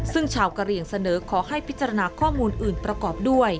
ซึ่งชาวกะเหลี่ยงเสนอขอให้พิจารณาข้อมูลอื่นประกอบด้วย